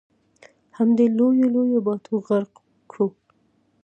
همدې لویو لویو باټو غرق کړو.